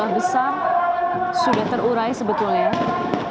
yang hilang yang terkini untuk menyayagi